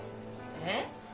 えっ？